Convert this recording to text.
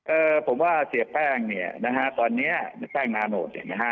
เอ่อผมว่าเสียแป้งเนี่ยนะฮะตอนเนี้ยในแป้งนาโนตเนี่ยนะฮะ